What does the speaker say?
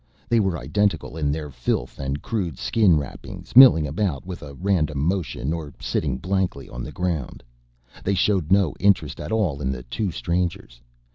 They were identical in their filth and crude skin wrappings, milling about with a random motion or sitting blankly on the ground. They showed no interest at all in the two strangers.